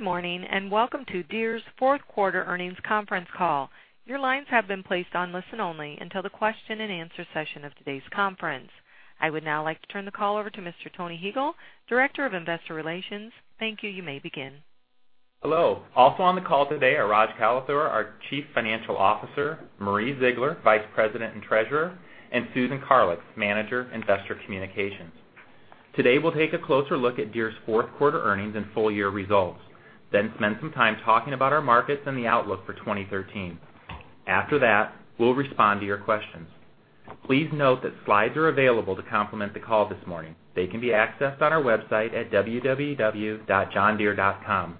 Good morning, welcome to Deere's fourth quarter earnings conference call. Your lines have been placed on listen-only until the question and answer session of today's conference. I would now like to turn the call over to Mr. Tony Huegel, Director of Investor Relations. Thank you. You may begin. Hello. Also on the call today are Rajesh Kalathur, our Chief Financial Officer, Marie Ziegler, Vice President and Treasurer, and Susan Karlix, Manager, Investor Communications. Today, we'll take a closer look at Deere's fourth quarter earnings and full-year results, spend some time talking about our markets and the outlook for 2013. After that, we'll respond to your questions. Please note that slides are available to complement the call this morning. They can be accessed on our website at www.johndeere.com.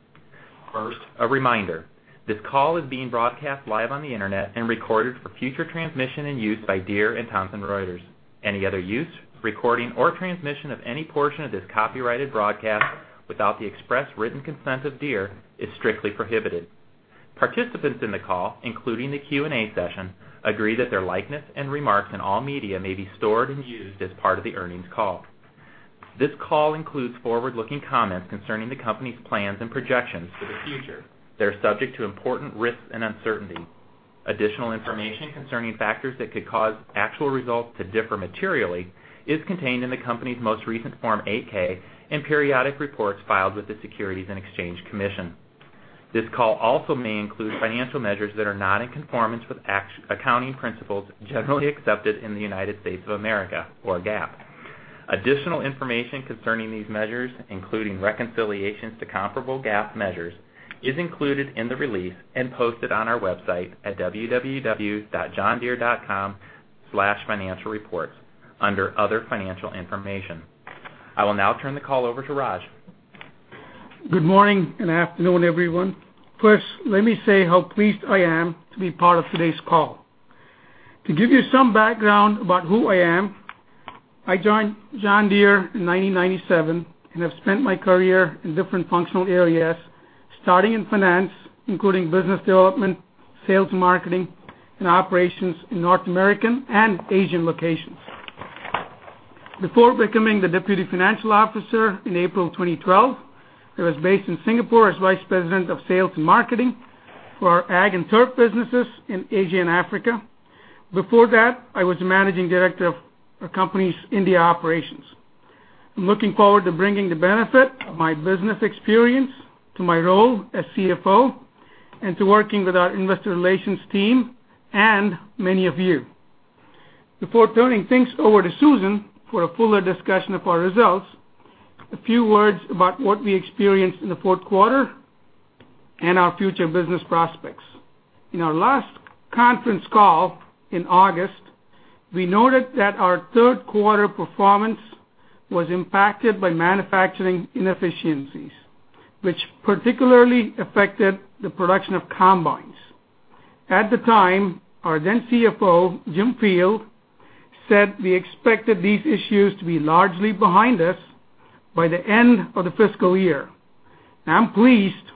First, a reminder, this call is being broadcast live on the internet and recorded for future transmission and use by Deere and Thomson Reuters. Any other use, recording, or transmission of any portion of this copyrighted broadcast without the express written consent of Deere is strictly prohibited. Participants in the call, including the Q&A session, agree that their likeness and remarks in all media may be stored and used as part of the earnings call. This call includes forward-looking comments concerning the company's plans and projections for the future. They are subject to important risks and uncertainty. Additional information concerning factors that could cause actual results to differ materially is contained in the company's most recent Form 8-K and periodic reports filed with the Securities and Exchange Commission. This call also may include financial measures that are not in conformance with accounting principles generally accepted in the United States of America, or GAAP. Additional information concerning these measures, including reconciliations to comparable GAAP measures, is included in the release and posted on our website at www.johndeere.com/financialreports under Other Financial Information. I will now turn the call over to Raj. Good morning and afternoon, everyone. First, let me say how pleased I am to be part of today's call. To give you some background about who I am, I joined John Deere in 1997 and have spent my career in different functional areas, starting in finance, including business development, sales and marketing, and operations in North American and Asian locations. Before becoming the Deputy Financial Officer in April 2012, I was based in Singapore as Vice President of Sales and Marketing for our ag and turf businesses in Asia and Africa. Before that, I was Managing Director of our company's India operations. I'm looking forward to bringing the benefit of my business experience to my role as CFO, to working with our investor relations team and many of you. Before turning things over to Susan for a fuller discussion of our results, a few words about what we experienced in the fourth quarter and our future business prospects. In our last conference call in August, we noted that our third quarter performance was impacted by manufacturing inefficiencies, which particularly affected the production of Combines. At the time, our then CFO, Jim Field, said we expected these issues to be largely behind us by the end of the fiscal year. I'm pleased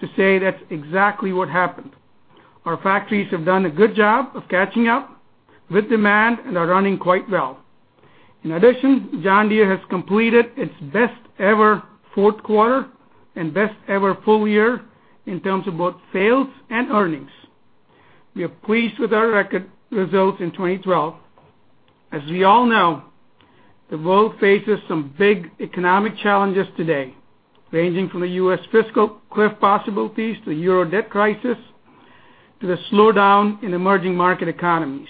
to say that's exactly what happened. Our factories have done a good job of catching up with demand and are running quite well. In addition, John Deere has completed its best ever fourth quarter and best ever full year in terms of both sales and earnings. We are pleased with our record results in 2012. As we all know, the world faces some big economic challenges today, ranging from the U.S. fiscal cliff possibilities to the Euro debt crisis to the slowdown in emerging market economies.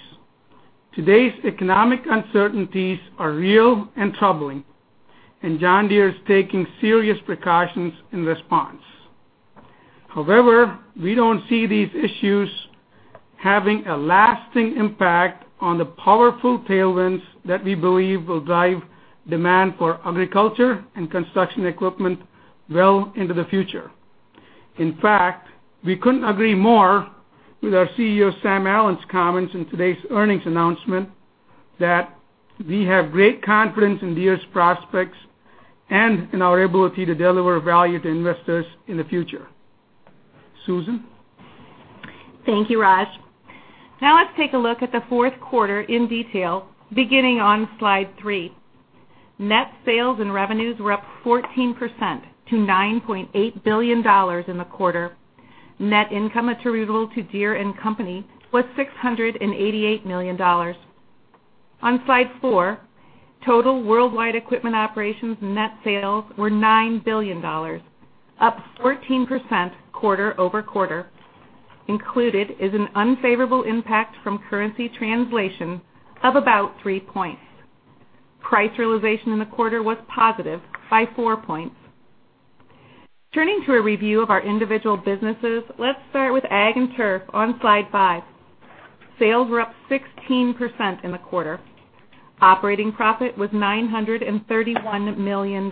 Today's economic uncertainties are real and troubling. John Deere is taking serious precautions in response. However, we don't see these issues having a lasting impact on the powerful tailwinds that we believe will drive demand for agriculture and construction equipment well into the future. In fact, we couldn't agree more with our CEO, Sam Allen's comments in today's earnings announcement that we have great confidence in Deere's prospects and in our ability to deliver value to investors in the future. Susan? Thank you, Raj. Now let's take a look at the fourth quarter in detail, beginning on slide three. Net sales and revenues were up 14% to $9.8 billion in the quarter. Net income attributable to Deere & Company was $688 million. On slide four, total worldwide equipment operations net sales were $9 billion, up 14% quarter-over-quarter. Included is an unfavorable impact from currency translation of about three points. Price realization in the quarter was positive by four points. Turning to a review of our individual businesses, let's start with Ag and Turf on slide five. Sales were up 16% in the quarter. Operating profit was $931 million.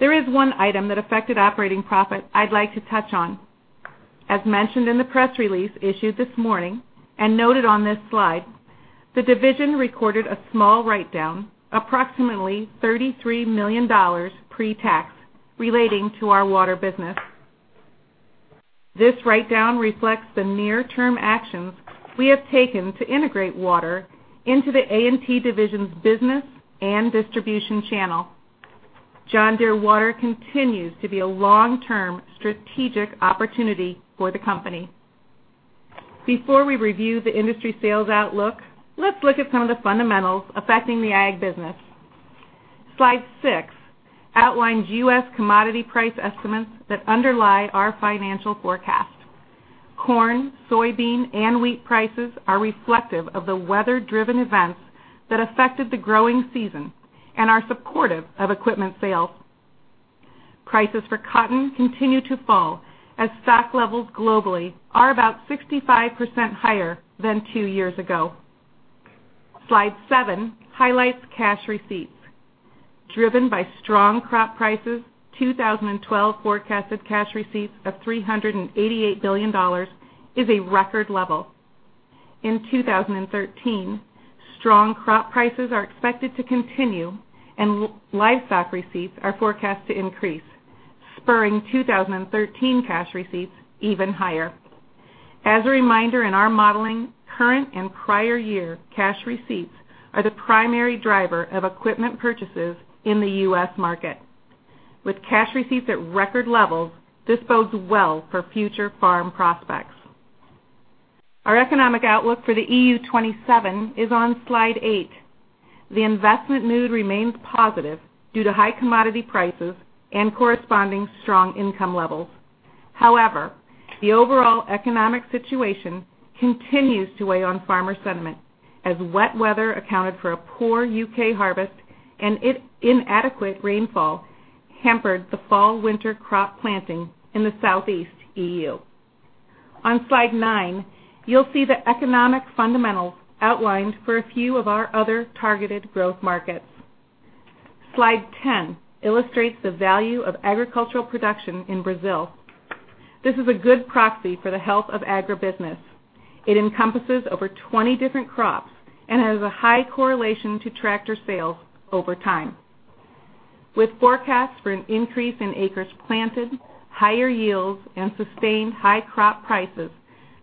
There is one item that affected operating profit I'd like to touch on. As mentioned in the press release issued this morning and noted on this slide, the division recorded a small write-down, approximately $33 million pre-tax, relating to our water business. This write-down reflects the near-term actions we have taken to integrate Water into the A&T division's business and distribution channel. John Deere Water continues to be a long-term strategic opportunity for the company. Before we review the industry sales outlook, let's look at some of the fundamentals affecting the ag business. Slide six outlines U.S. commodity price estimates that underlie our financial forecast. Corn, soybean, and wheat prices are reflective of the weather-driven events that affected the growing season and are supportive of equipment sales. Prices for cotton continue to fall as stock levels globally are about 65% higher than two years ago. Slide seven highlights cash receipts. Driven by strong crop prices, 2012 forecasted cash receipts of $388 billion is a record level. In 2013, strong crop prices are expected to continue, and livestock receipts are forecast to increase, spurring 2013 cash receipts even higher. As a reminder, in our modeling, current and prior year cash receipts are the primary driver of equipment purchases in the U.S. market. With cash receipts at record levels, this bodes well for future farm prospects. Our economic outlook for the EU 27 is on slide eight. The investment mood remains positive due to high commodity prices and corresponding strong income levels. However, the overall economic situation continues to weigh on farmer sentiment, as wet weather accounted for a poor U.K. harvest and inadequate rainfall hampered the fall/winter crop planting in the Southeast EU. On slide nine, you'll see the economic fundamentals outlined for a few of our other targeted growth markets. Slide 10 illustrates the value of agricultural production in Brazil. This is a good proxy for the health of agribusiness. It encompasses over 20 different crops and has a high correlation to Tractor sales over time. With forecasts for an increase in acres planted, higher yields, and sustained high crop prices,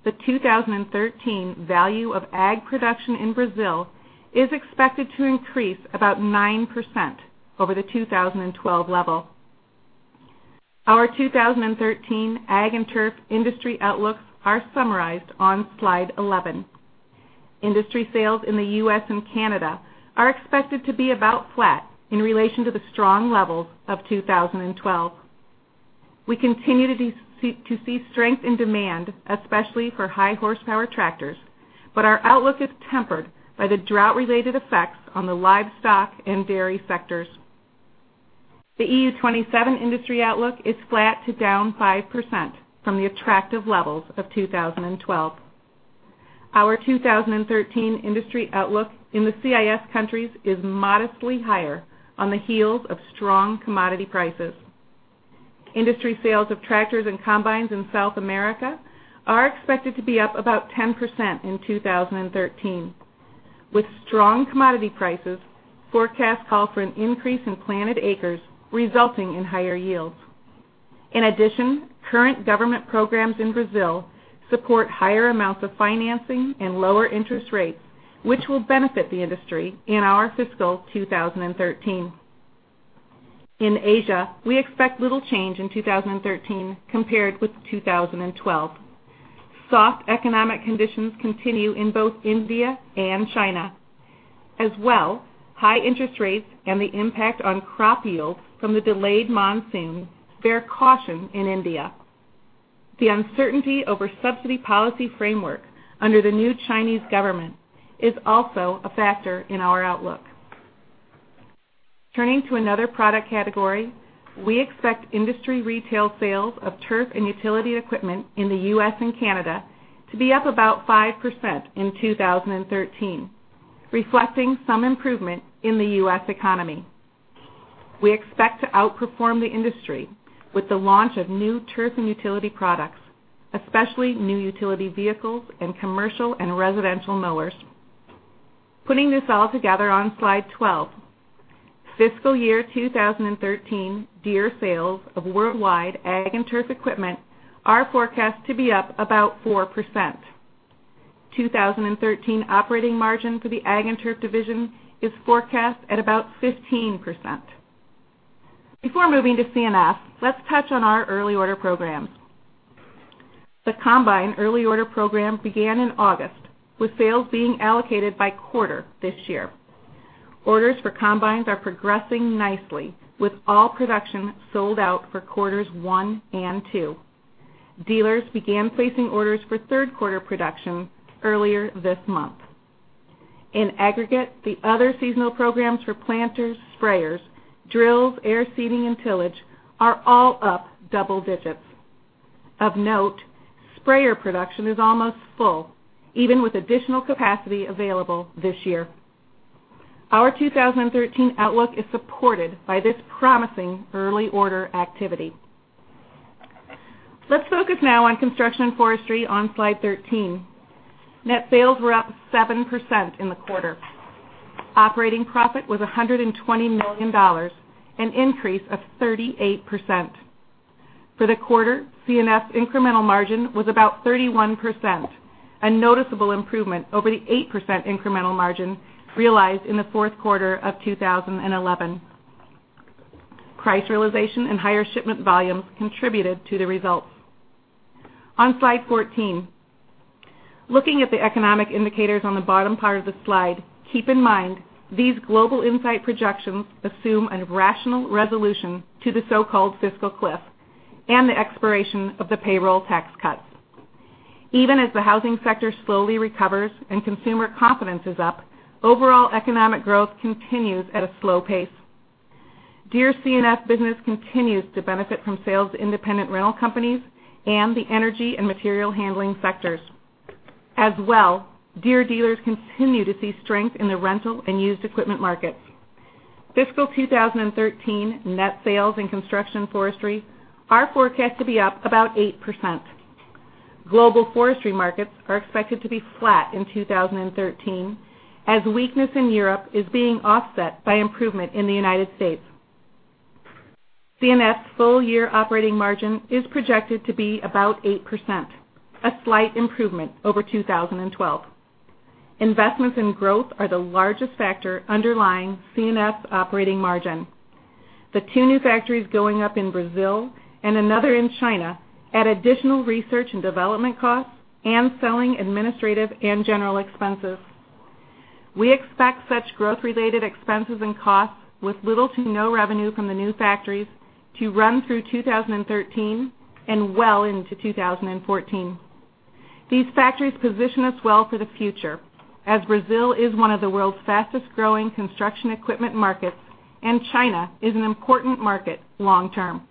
the 2013 value of ag production in Brazil is expected to increase about 9% over the 2012 level. Our 2013 Ag and Turf industry outlooks are summarized on slide 11. Industry sales in the U.S. and Canada are expected to be about flat in relation to the strong levels of 2012. We continue to see strength in demand, especially for high-horsepower Tractors, but our outlook is tempered by the drought-related effects on the livestock and dairy sectors. The EU 27 industry outlook is flat to down 5% from the attractive levels of 2012. Our 2013 industry outlook in the CIS countries is modestly higher on the heels of strong commodity prices. Industry sales of Tractors and Combines in South America are expected to be up about 10% in 2013. With strong commodity prices, forecasts call for an increase in planted acres, resulting in higher yields. In addition, current government programs in Brazil support higher amounts of financing and lower interest rates, which will benefit the industry in our fiscal 2013. In Asia, we expect little change in 2013 compared with 2012. Soft economic conditions continue in both India and China. As well, high interest rates and the impact on crop yields from the delayed monsoon bear caution in India. The uncertainty over subsidy policy framework under the new Chinese government is also a factor in our outlook. Turning to another product category, we expect industry retail sales of turf and utility equipment in the U.S. and Canada to be up about 5% in 2013, reflecting some improvement in the U.S. economy. We expect to outperform the industry with the launch of new turf and utility products, especially new utility vehicles and commercial and residential mowers. Putting this all together on slide 12. Fiscal year 2013 Deere sales of worldwide Ag and Turf equipment are forecast to be up about 4%. 2013 operating margin for the Ag and Turf division is forecast at about 15%. Before moving to C&F, let's touch on our early order programs. The Combine early order program began in August, with sales being allocated by quarter this year. Orders for Combines are progressing nicely, with all production sold out for quarters 1 and 2. Dealers began placing orders for third-quarter production earlier this month. In aggregate, the other seasonal programs for planters, sprayers, drills, air seeding, and tillage are all up double digits. Of note, sprayer production is almost full, even with additional capacity available this year. Our 2013 outlook is supported by this promising early order activity. Let's focus now on Construction & Forestry on slide 13. Net sales were up 7% in the quarter. Operating profit was $120 million, an increase of 38%. For the quarter, C&F's incremental margin was about 31%, a noticeable improvement over the 8% incremental margin realized in the fourth quarter of 2011. Price realization and higher shipment volumes contributed to the results. On slide 14, looking at the economic indicators on the bottom part of the slide, keep in mind, these Global Insight projections assume a rational resolution to the so-called fiscal cliff and the expiration of the payroll tax cuts. The housing sector slowly recovers and consumer confidence is up, overall economic growth continues at a slow pace. Deere's C&F business continues to benefit from sales to independent rental companies and the energy and material handling sectors. Deere dealers continue to see strength in the rental and used equipment markets. Fiscal 2013 net sales in Construction Forestry are forecast to be up about 8%. Global forestry markets are expected to be flat in 2013, as weakness in Europe is being offset by improvement in the United States. C&F's full-year operating margin is projected to be about 8%, a slight improvement over 2012. Investments in growth are the largest factor underlying C&F's operating margin. The two new factories going up in Brazil and another in China add additional research and development costs and selling, administrative, and general expenses. We expect such growth-related expenses and costs with little to no revenue from the new factories to run through 2013 and well into 2014. These factories position us well for the future, as Brazil is one of the world's fastest-growing construction equipment markets, and China is an important market long-term.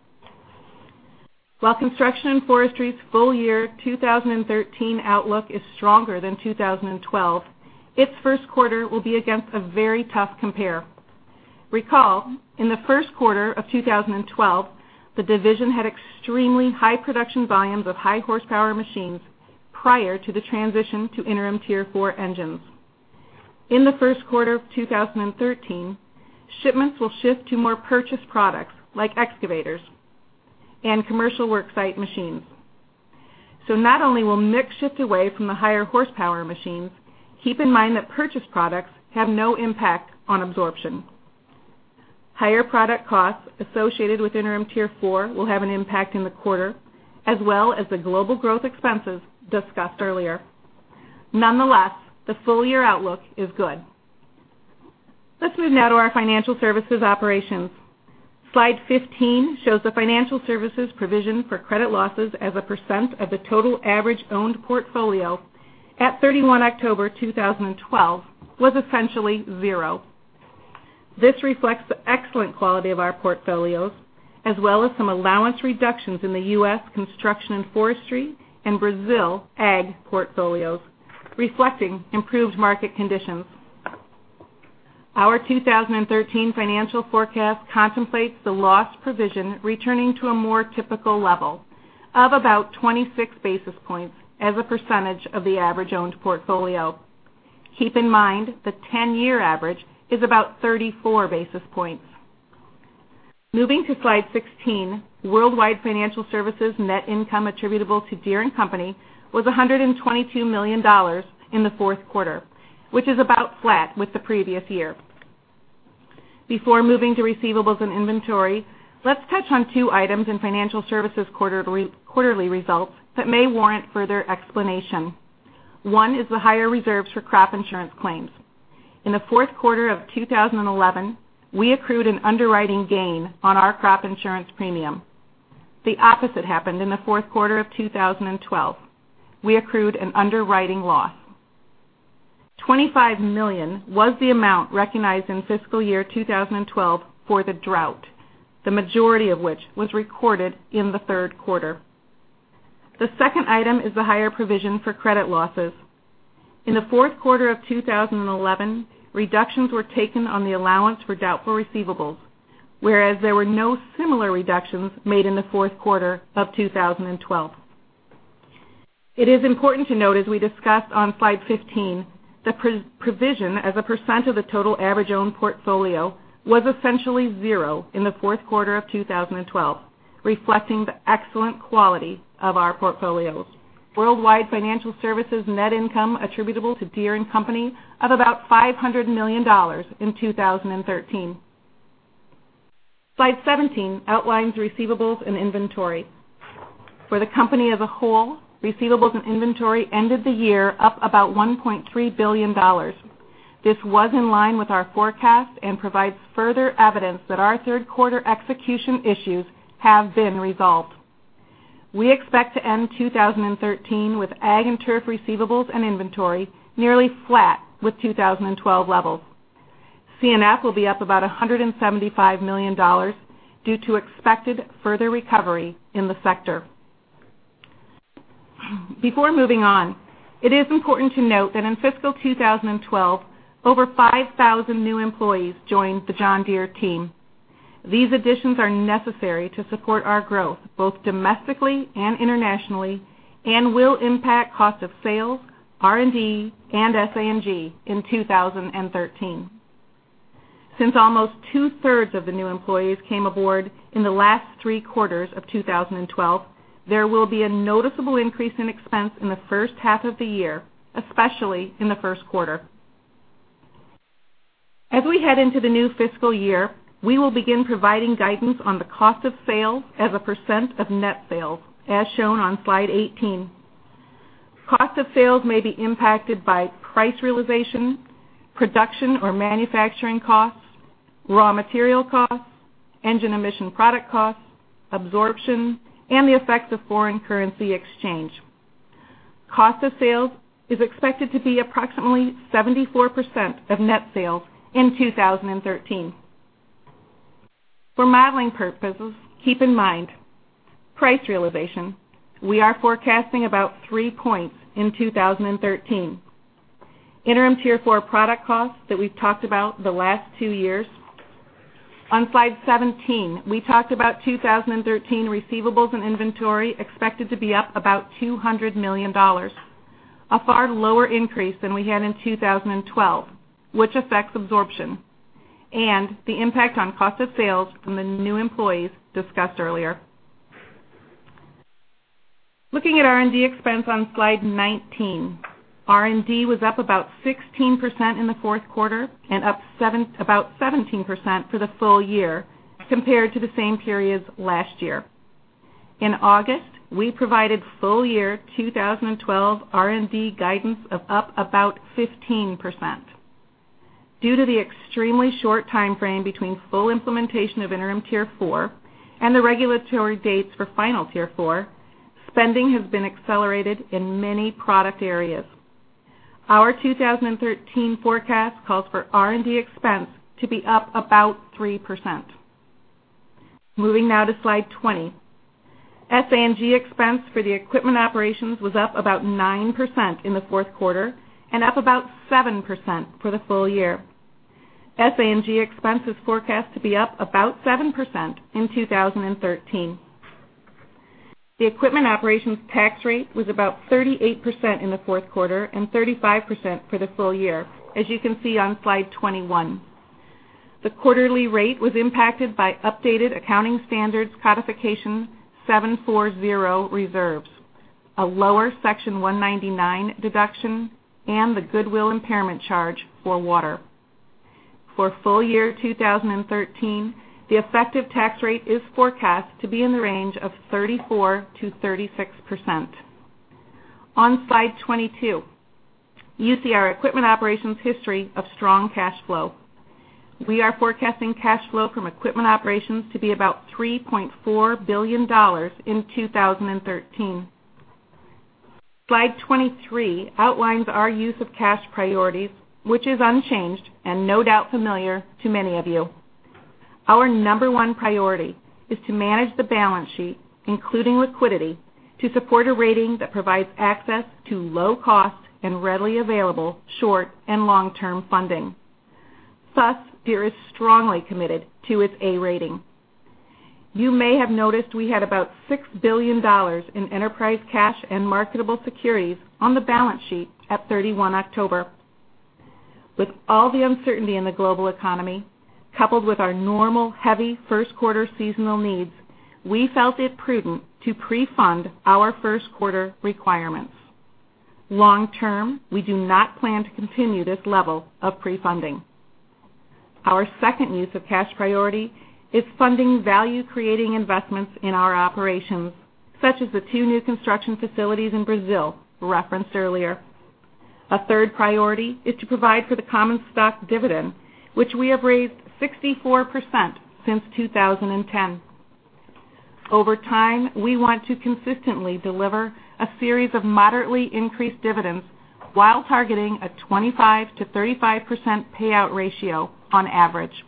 Construction Forestry's full-year 2013 outlook is stronger than 2012, its first quarter will be against a very tough compare. Recall, in the first quarter of 2012, the division had extremely high production volumes of high-horsepower machines prior to the transition to Interim Tier 4 engines. In the first quarter of 2013, shipments will shift to more purchased products like excavators and commercial worksite machines. Not only will mix shift away from the higher horsepower machines, keep in mind that purchased products have no impact on absorption. Higher product costs associated with Interim Tier 4 will have an impact in the quarter, as well as the global growth expenses discussed earlier. The full-year outlook is good. Let's move now to our financial services operations. Slide 15 shows the financial services provision for credit losses as a percent of the total average owned portfolio at 31 October 2012 was essentially zero. This reflects the excellent quality of our portfolios, as well as some allowance reductions in the U.S. Construction Forestry and Brazil Ag portfolios, reflecting improved market conditions. Our 2013 financial forecast contemplates the loss provision returning to a more typical level of about 26 basis points as a percentage of the average owned portfolio. Keep in mind, the 10-year average is about 34 basis points. Moving to slide 16, worldwide financial services net income attributable to Deere & Company was $122 million in the fourth quarter, which is about flat with the previous year. Before moving to receivables and inventory, let's touch on two items in financial services' quarterly results that may warrant further explanation. One is the higher reserves for crop insurance claims. In the fourth quarter of 2011, we accrued an underwriting gain on our crop insurance premium. The opposite happened in the fourth quarter of 2012. We accrued an underwriting loss. $25 million was the amount recognized in fiscal year 2012 for the drought, the majority of which was recorded in the third quarter. The second item is the higher provision for credit losses. In the fourth quarter of 2011, reductions were taken on the allowance for doubtful receivables, whereas there were no similar reductions made in the fourth quarter of 2012. It is important to note, as we discussed on slide 15, the provision as a % of the total average owned portfolio was essentially zero in the fourth quarter of 2012, reflecting the excellent quality of our portfolios. Worldwide financial services net income attributable to Deere & Company of about $500 million in 2013. Slide 17 outlines receivables and inventory. For the company as a whole, receivables and inventory ended the year up about $1.3 billion. This was in line with our forecast and provides further evidence that our third quarter execution issues have been resolved. We expect to end 2013 with Ag and Turf receivables and inventory nearly flat with 2012 levels. C&F will be up about $175 million due to expected further recovery in the sector. Before moving on, it is important to note that in fiscal 2012, over 5,000 new employees joined the John Deere team. These additions are necessary to support our growth, both domestically and internationally, and will impact cost of sales, R&D, and SG&A in 2013. Since almost two-thirds of the new employees came aboard in the last three quarters of 2012, there will be a noticeable increase in expense in the first half of the year, especially in the first quarter. As we head into the new fiscal year, we will begin providing guidance on the cost of sales as a % of net sales, as shown on slide 18. Cost of sales may be impacted by price realization, production or manufacturing costs, raw material costs, engine emission product costs, absorption, and the effects of foreign currency exchange. Cost of sales is expected to be approximately 74% of net sales in 2013. For modeling purposes, keep in mind price realization. We are forecasting about three points in 2013. Interim Tier 4 product costs that we've talked about the last two years. On slide 17, we talked about 2013 receivables and inventory expected to be up about $200 million, a far lower increase than we had in 2012, which affects absorption and the impact on cost of sales from the new employees discussed earlier. Looking at R&D expense on slide 19, R&D was up about 16% in the fourth quarter and up about 17% for the full year compared to the same periods last year. In August, we provided full year 2012 R&D guidance of up about 15%. Due to the extremely short timeframe between full implementation of Interim Tier 4 and the regulatory dates for Final Tier 4, spending has been accelerated in many product areas. Our 2013 forecast calls for R&D expense to be up about 3%. Moving now to slide 20. SG&A expense for the equipment operations was up about 9% in the fourth quarter and up about 7% for the full year. SG&A expense is forecast to be up about 7% in 2013. The equipment operations tax rate was about 38% in the fourth quarter and 35% for the full year, as you can see on slide 21. The quarterly rate was impacted by updated Accounting Standards Codification 740 reserves, a lower Section 199 deduction, and the goodwill impairment charge for water. For full year 2013, the effective tax rate is forecast to be in the range of 34%-36%. On slide 22, you see our equipment operations history of strong cash flow. We are forecasting cash flow from equipment operations to be about $3.4 billion in 2013. Slide 23 outlines our use of cash priorities, which is unchanged and no doubt familiar to many of you. Our number one priority is to manage the balance sheet, including liquidity, to support a rating that provides access to low cost and readily available short and long-term funding. Thus, Deere is strongly committed to its A rating. You may have noticed we had about $6 billion in enterprise cash and marketable securities on the balance sheet at 31 October. With all the uncertainty in the global economy, coupled with our normal heavy first quarter seasonal needs, we felt it prudent to pre-fund our first quarter requirements. Long term, we do not plan to continue this level of pre-funding. Our second use of cash priority is funding value-creating investments in our operations, such as the two new construction facilities in Brazil referenced earlier. A third priority is to provide for the common stock dividend, which we have raised 64% since 2010. Over time, we want to consistently deliver a series of moderately increased dividends while targeting a 25%-35% payout ratio on average.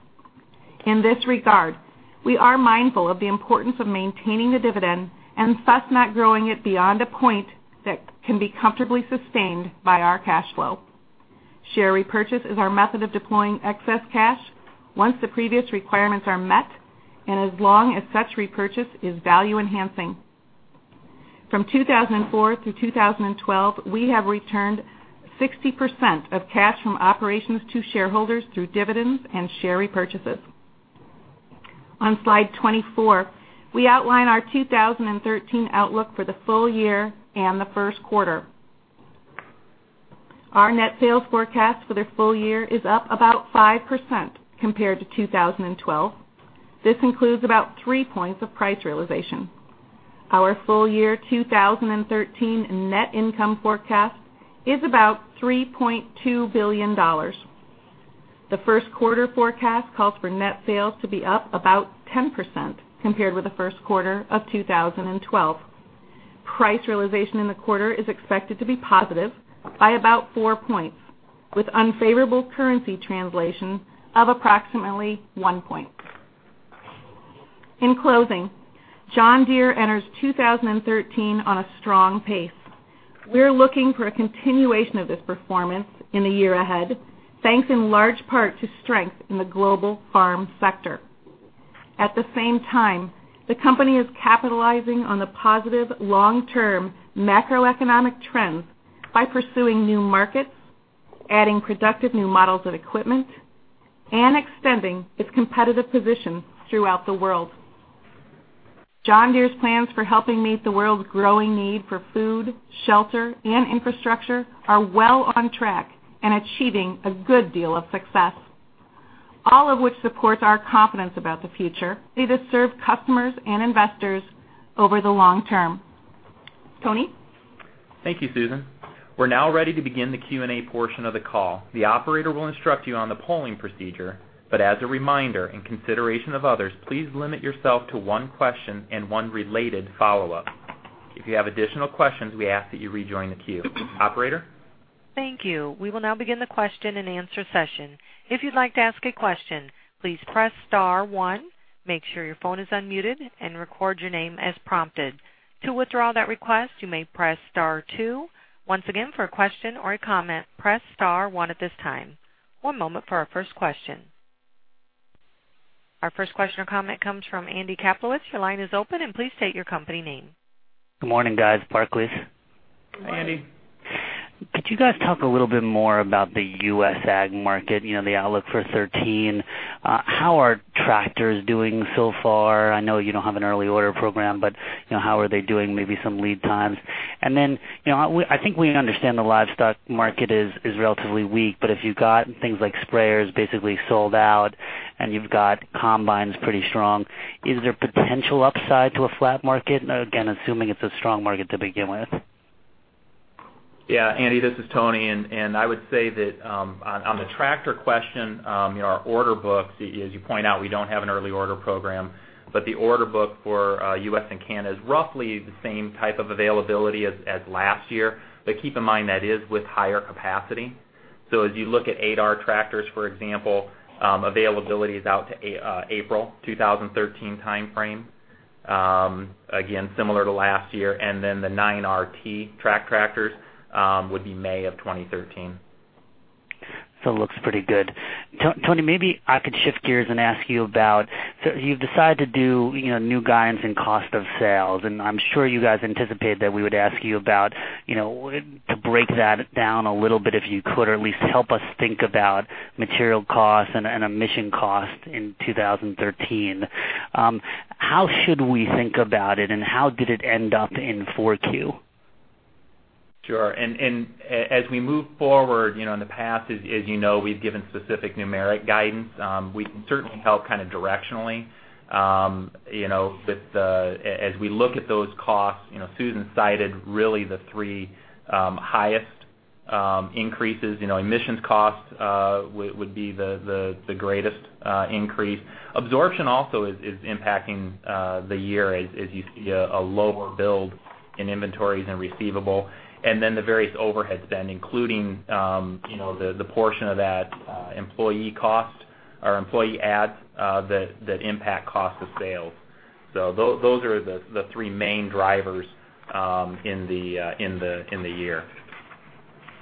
In this regard, we are mindful of the importance of maintaining the dividend and thus not growing it beyond a point that can be comfortably sustained by our cash flow. Share repurchase is our method of deploying excess cash once the previous requirements are met and as long as such repurchase is value-enhancing. From 2004 through 2012, we have returned 60% of cash from operations to shareholders through dividends and share repurchases. On slide 24, we outline our 2013 outlook for the full year and the first quarter. Our net sales forecast for the full year is up about 5% compared to 2012. This includes about three points of price realization. Our full year 2013 net income forecast is about $3.2 billion. The first quarter forecast calls for net sales to be up about 10% compared with the first quarter of 2012. Price realization in the quarter is expected to be positive by about four points, with unfavorable currency translation of approximately one point. In closing, John Deere enters 2013 on a strong pace. We're looking for a continuation of this performance in the year ahead, thanks in large part to strength in the global farm sector. At the same time, the company is capitalizing on the positive long-term macroeconomic trends by pursuing new markets, adding productive new models of equipment, and extending its competitive position throughout the world. John Deere's plans for helping meet the world's growing need for food, shelter, and infrastructure are well on track and achieving a good deal of success. All of which supports our confidence about the future we serve customers and investors over the long term. Tony? Thank you, Susan. We're now ready to begin the Q&A portion of the call. The operator will instruct you on the polling procedure, but as a reminder, in consideration of others, please limit yourself to one question and one related follow-up. If you have additional questions, we ask that you rejoin the queue. Operator? Thank you. We will now begin the question-and-answer session. If you'd like to ask a question, please press star one, make sure your phone is unmuted, and record your name as prompted. To withdraw that request, you may press star two. Once again, for a question or a comment, press star one at this time. One moment for our first question. Our first question or comment comes from Andrew Kaplowitz. Your line is open, and please state your company name. Good morning, guys. Barclays. Good morning. Andy. Could you guys talk a little bit more about the U.S. ag market, the outlook for 2013? How are Tractors doing so far? I know you don't have an early order program, but how are they doing, maybe some lead times? I think we understand the livestock market is relatively weak, but if you've got things like Sprayers basically sold out and you've got Combines pretty strong, is there potential upside to a flat market? Again, assuming it's a strong market to begin with. Andy, this is Tony, I would say that on the Tractor question, our order books, as you point out, we don't have an early order program, but the order book for U.S. and Canada is roughly the same type of availability as last year. Keep in mind, that is with higher capacity. As you look at 8R Tractors, for example, availability is out to April 2013 timeframe. Again, similar to last year. The 9RT Track Tractors would be May of 2013. It looks pretty good. Tony, maybe I could shift gears and ask you about new guidance and cost of sales. I'm sure you guys anticipate that we would ask you to break that down a little bit, if you could, or at least help us think about material costs and emission costs in 2013. How should we think about it? How did it end up in 4Q? Sure. As we move forward, in the past, as you know, we've given specific numeric guidance. We can certainly help kind of directionally. As we look at those costs, Susan cited really the three highest increases. Emissions costs would be the greatest increase. Absorption also is impacting the year as you see a lower build in inventories and receivable. The various overhead spend, including the portion of that employee cost or employee adds that impact cost of sales. Those are the three main drivers in the year.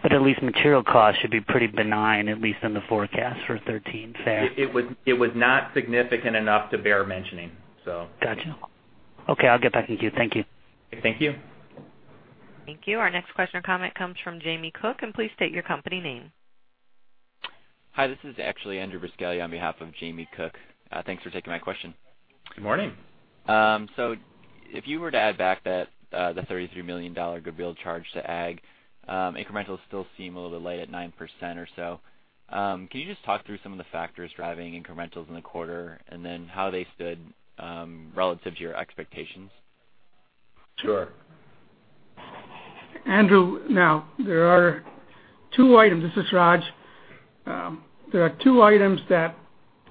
At least material costs should be pretty benign, at least in the forecast for 2013. Fair? It was not significant enough to bear mentioning. Got you. Okay, I'll get back in queue. Thank you. Thank you. Thank you. Our next question or comment comes from Jamie Cook. Please state your company name. Hi, this is actually Andrew Buscaglia on behalf of Jamie Cook. Thanks for taking my question. Good morning. If you were to add back the $33 million goodwill charge to Ag, incrementals still seem a little bit light at 9% or so. Can you just talk through some of the factors driving incrementals in the quarter, and then how they stood relative to your expectations? Sure. Andrew, now, there are two items. This is Raj. There are two items that,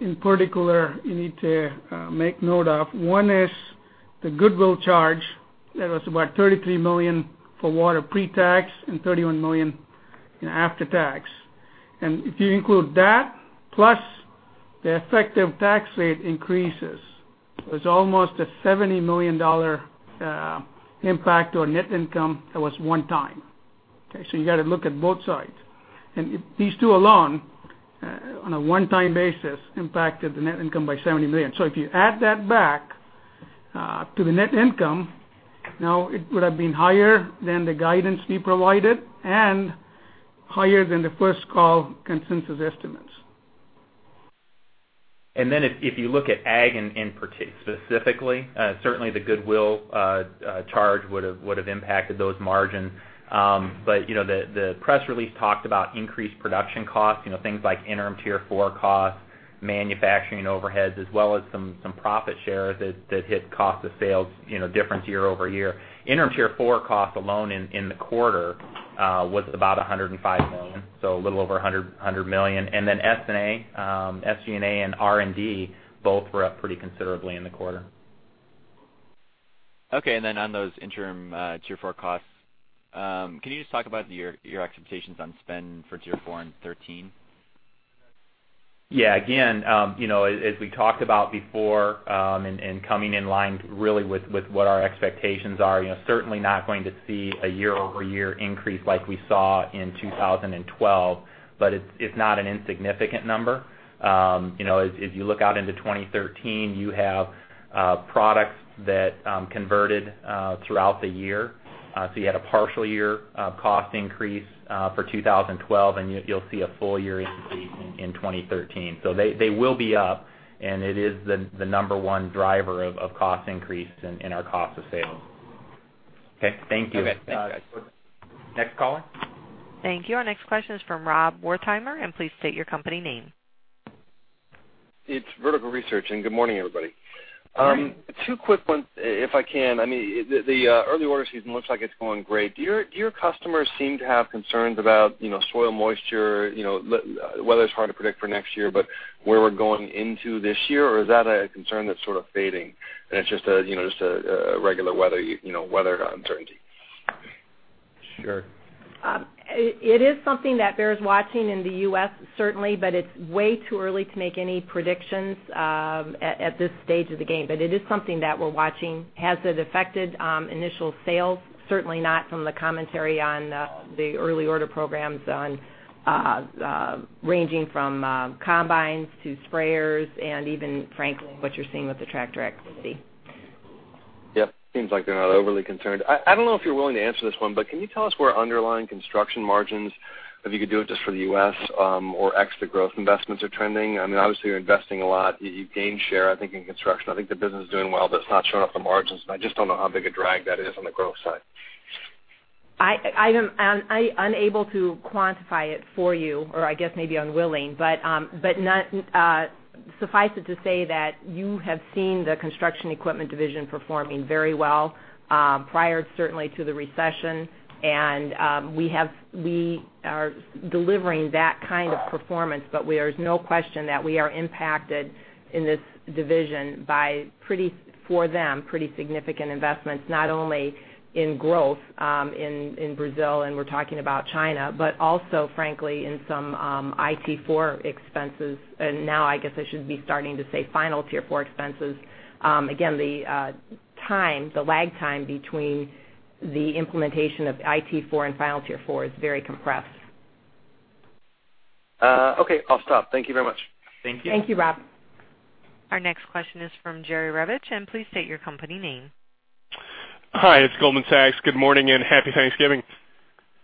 in particular, you need to make note of. One is the goodwill charge that was about $33 million for water pre-tax and $31 million in after-tax. If you include that plus the effective tax rate increases, it was almost a $70 million impact on net income that was one time. Okay? You got to look at both sides. These two alone, on a one-time basis, impacted the net income by $70 million. If you add that back to the net income, now it would have been higher than the guidance we provided and higher than the first call consensus estimates. If you look at ag specifically, certainly the goodwill charge would have impacted those margins. The press release talked about increased production costs, things like Interim Tier 4 costs, manufacturing overheads, as well as some profit shares that hit cost of sales difference year-over-year. Interim Tier 4 costs alone in the quarter was about $105 million, so a little over $100 million. SG&A and R&D both were up pretty considerably in the quarter. Okay, on those Interim Tier 4 costs, can you just talk about your expectations on spend for Tier 4 in 2013? Yeah, again, as we talked about before, coming in line really with what our expectations are, certainly not going to see a year-over-year increase like we saw in 2012, it's not an insignificant number. As you look out into 2013, you have products that converted throughout the year. You had a partial year of cost increase for 2012, you'll see a full year increase in 2013. They will be up, it is the number one driver of cost increase in our cost of sales. Okay, thank you. Okay, thanks guys. Next caller. Thank you. Our next question is from Rob Wertheimer, please state your company name. It's Vertical Research. Good morning, everybody. Good morning. Two quick ones if I can. I mean, the early order season looks like it's going great. Do your customers seem to have concerns about soil moisture? Weather's hard to predict for next year, but where we're going into this year? Is that a concern that's sort of fading and it's just a regular weather uncertainty? Sure. It is something that bears watching in the U.S., certainly. It's way too early to make any predictions at this stage of the game. It is something that we're watching. Has it affected initial sales? Certainly not from the commentary on the early order programs on ranging from Combines to Sprayers and even frankly, what you're seeing with the Tractor activity. Yep. Seems like they're not overly concerned. I don't know if you're willing to answer this one, but can you tell us where underlying construction margins, if you could do it just for the U.S. or ex the growth investments are trending? I mean, obviously you're investing a lot. You've gained share, I think, in construction. I think the business is doing well, but it's not showing up the margins, and I just don't know how big a drag that is on the growth side. I'm unable to quantify it for you or I guess maybe unwilling, but suffice it to say that you have seen the Construction Equipment division performing very well, prior certainly to the recession. We are delivering that kind of performance, but there's no question that we are impacted in this division by, for them, pretty significant investments, not only in growth in Brazil, and we're talking about China, but also frankly in some IT4 expenses. Now I guess I should be starting to say Final Tier 4 expenses. Again, the lag time between the implementation of IT4 and Final Tier 4 is very compressed. Okay, I'll stop. Thank you very much. Thank you. Thank you, Rob. Our next question is from Jerry Revich, and please state your company name. Hi, it's Goldman Sachs. Good morning, and Happy Thanksgiving.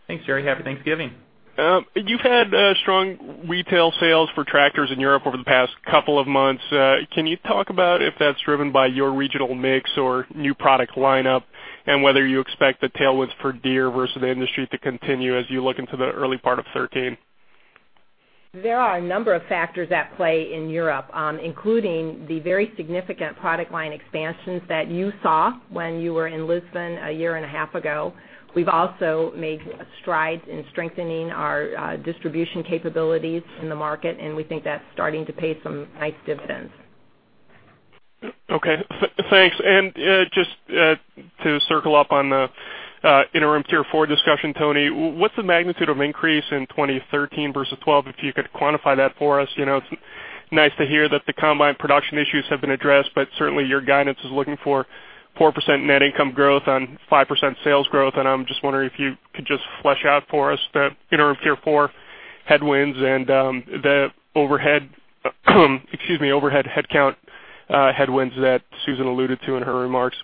Thanks, Jerry. Happy Thanksgiving. You've had strong retail sales for Tractors in Europe over the past couple of months. Can you talk about if that's driven by your regional mix or new product lineup, and whether you expect the tailwinds for Deere versus the industry to continue as you look into the early part of 2013? There are a number of factors at play in Europe, including the very significant product line expansions that you saw when you were in Lisbon a year and a half ago. We've also made strides in strengthening our distribution capabilities in the market, we think that's starting to pay some nice dividends. Okay, thanks. Just to circle up on the Interim Tier 4 discussion, Tony, what's the magnitude of increase in 2013 versus 2012? If you could quantify that for us. Certainly your guidance is looking for 4% net income growth on 5% sales growth, I'm just wondering if you could just flesh out for us the Interim Tier 4 headwinds and the overhead headcount headwinds that Susan alluded to in her remarks.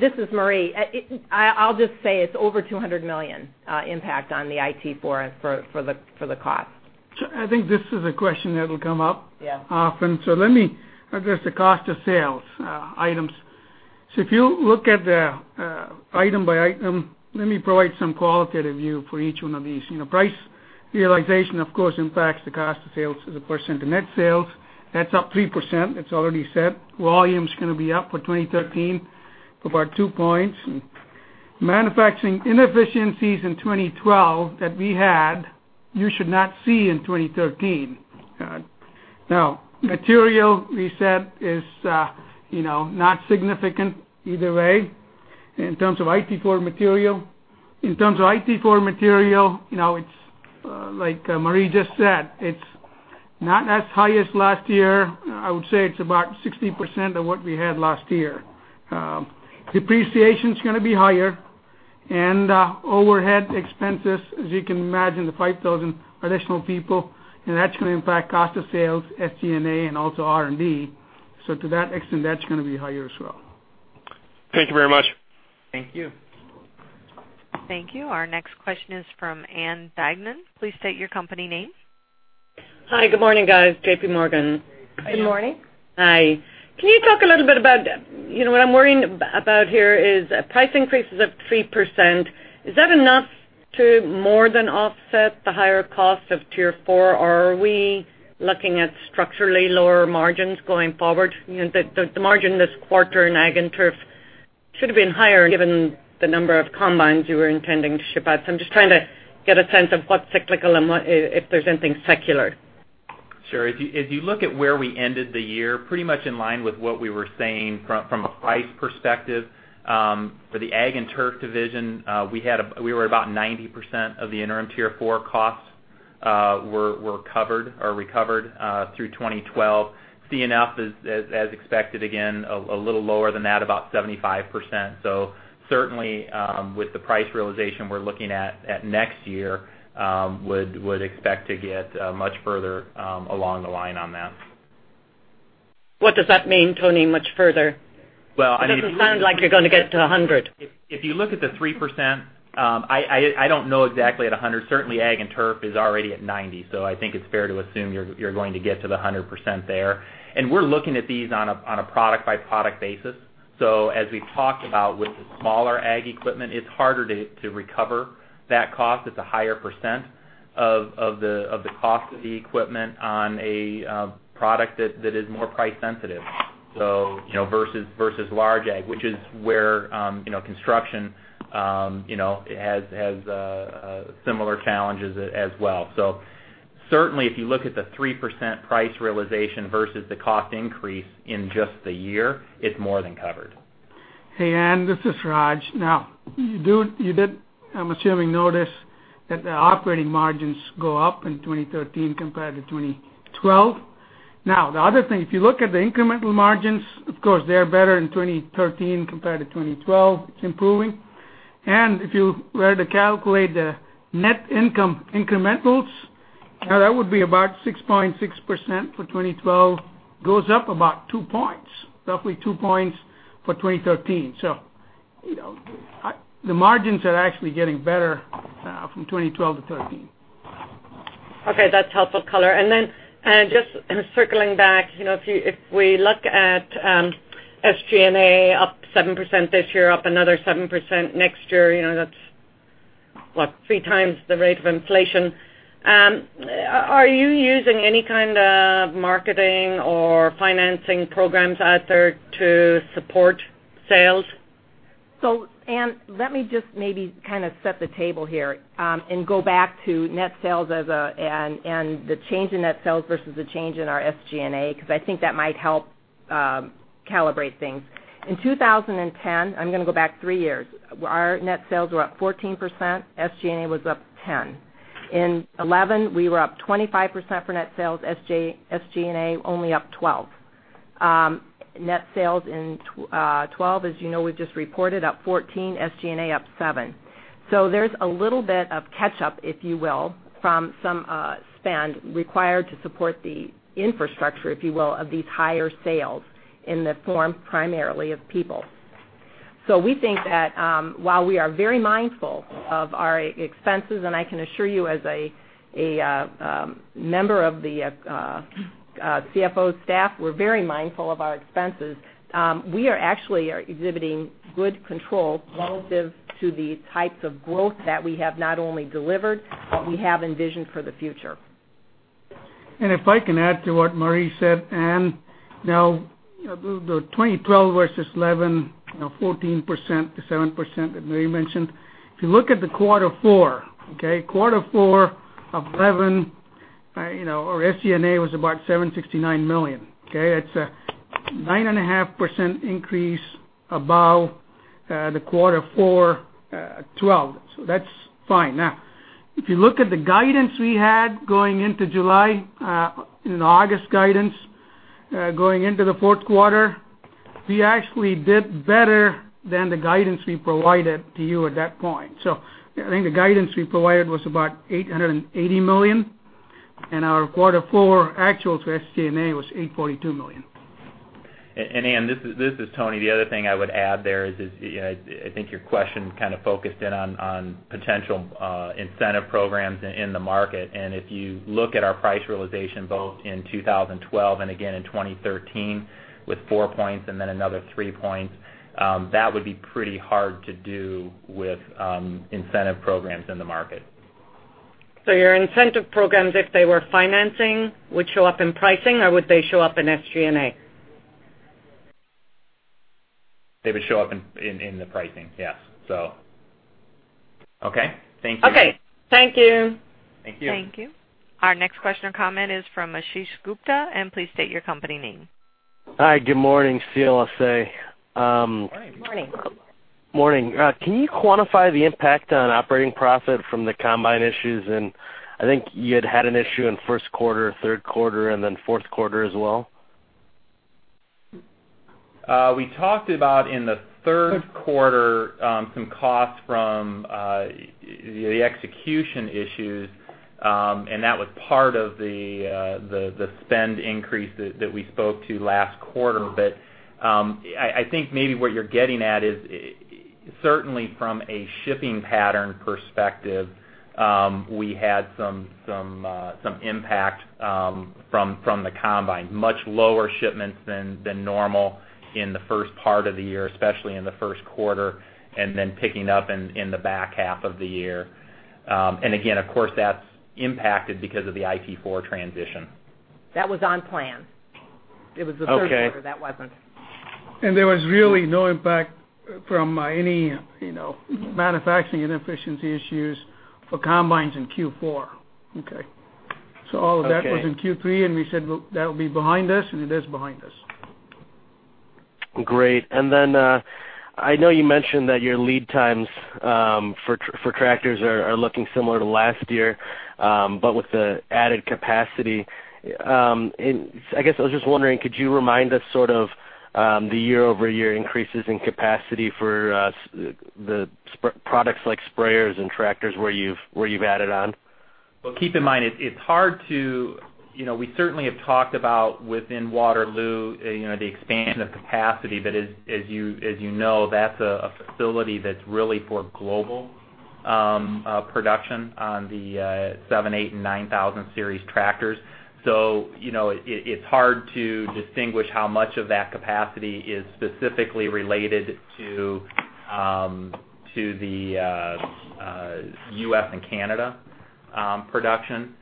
This is Marie. I'll just say it's over $200 million impact on the IT4 for the cost. I think this is a question that will come up. Yeah Let me address the cost of sales items. If you look at the item by item, let me provide some qualitative view for each one of these. Price realization, of course, impacts the cost of sales as a percent of net sales. That's up 3%, it's already set. Volume's going to be up for 2013 for about two points. Manufacturing inefficiencies in 2012 that we had, you should not see in 2013. Material we said is not significant either way in terms of IT4 material. In terms of IT4 material, it's like Marie just said, it's not as high as last year. I would say it's about 60% of what we had last year. Depreciation's going to be higher and overhead expenses, as you can imagine, the 5,000 additional people, and that's going to impact cost of sales, SG&A, and also R&D. To that extent, that's going to be higher as well. Thank you very much. Thank you. Thank you. Our next question is from Ann Duignan. Please state your company name. Hi, good morning, guys. JPMorgan. Good morning. Hi. Can you talk a little bit about, what I'm worrying about here is price increases of 3%. Is that enough to more than offset the higher cost of Tier 4? Are we looking at structurally lower margins going forward? The margin this quarter in Ag and Turf- Should have been higher given the number of Combines you were intending to ship out. I'm just trying to get a sense of what's cyclical and if there's anything secular. Sure. If you look at where we ended the year, pretty much in line with what we were saying from a price perspective. For the Ag and Turf division, we were about 90% of the Interim Tier 4 costs were covered or recovered through 2012. C&F is as expected, again, a little lower than that, about 75%. Certainly, with the price realization we're looking at next year, would expect to get much further along the line on that. What does that mean, Tony, much further? Well, I mean It doesn't sound like you're going to get to 100. If you look at the 3%, I don't know exactly at 100. Certainly, Ag and Turf is already at 90, so I think it's fair to assume you're going to get to the 100% there. We're looking at these on a product-by-product basis. As we've talked about with the smaller Ag equipment, it's harder to recover that cost. It's a higher % of the cost of the equipment on a product that is more price sensitive, versus large Ag, which is where construction has similar challenges as well. Certainly, if you look at the 3% price realization versus the cost increase in just the year, it's more than covered. Hey, Ann, this is Raj. You did, I'm assuming, notice that the operating margins go up in 2013 compared to 2012. The other thing, if you look at the incremental margins, of course, they are better in 2013 compared to 2012. It's improving. If you were to calculate the net income incrementals, that would be about 6.6% for 2012, goes up about two points, roughly two points for 2013. The margins are actually getting better from 2012 to 2013. Okay, that's helpful color. Just circling back, if we look at SG&A up 7% this year, up another 7% next year, that's, what, three times the rate of inflation. Are you using any kind of marketing or financing programs out there to support sales? Ann, let me just maybe kind of set the table here, go back to net sales and the change in net sales versus the change in our SG&A, because I think that might help calibrate things. In 2010, I'm going to go back three years, our net sales were up 14%, SG&A was up 10%. In 2011, we were up 25% for net sales, SG&A only up 12%. Net sales in 2012, as you know, we've just reported up 14%, SG&A up 7%. There's a little bit of catch-up, if you will, from some spend required to support the infrastructure, if you will, of these higher sales in the form primarily of people. We think that while we are very mindful of our expenses, and I can assure you as a member of the CFO staff, we're very mindful of our expenses. We are actually exhibiting good control relative to the types of growth that we have not only delivered, but we have envisioned for the future. If I can add to what Marie said, Ann. The 2012 versus 2011, 14% to 7% that Marie mentioned. If you look at the quarter four. Quarter four of 2011, our SG&A was about $769 million. It's a 9.5% increase above the quarter four 2012. That's fine. If you look at the guidance we had going into July and August guidance going into the fourth quarter, we actually did better than the guidance we provided to you at that point. I think the guidance we provided was about $880 million, and our quarter four actual to SG&A was $842 million. Ann, this is Tony. The other thing I would add there is, I think your question kind of focused in on potential incentive programs in the market. If you look at our price realization both in 2012 and again in 2013, with four points and then another three points, that would be pretty hard to do with incentive programs in the market. Your incentive programs, if they were financing, would show up in pricing or would they show up in SG&A? They would show up in the pricing, yes. Okay? Thank you. Okay. Thank you. Thank you. Thank you. Our next question or comment is from Ashish Gupta, please state your company name. Hi, good morning. CLSA. Morning. Morning. Morning. Can you quantify the impact on operating profit from the combine issues? I think you'd had an issue in first quarter, third quarter, fourth quarter as well. We talked about in the third quarter some costs from the execution issues, and that was part of the spend increase that we spoke to last quarter. I think maybe what you're getting at is certainly from a shipping pattern perspective, we had some impact from the combine, much lower shipments than normal in the first part of the year, especially in the first quarter, then picking up in the back half of the year. Again, of course, that's impacted because of the IT4 transition. That was on plan. Okay. It was the third quarter that wasn't. There was really no impact from any manufacturing inefficiency issues for combines in Q4. Okay. Okay. all of that was in Q3, and we said that would be behind us, and it is behind us. Great. I know you mentioned that your lead times for tractors are looking similar to last year, but with the added capacity. I guess I was just wondering, could you remind us sort of the year-over-year increases in capacity for the products like sprayers and tractors where you've added on? keep in mind, we certainly have talked about within Waterloo, the expansion of capacity. As you know, that's a facility that's really for global production on the 7,000, 8,000 and 9000 Series tractors. It's hard to distinguish how much of that capacity is specifically related to the U.S. and Canada production.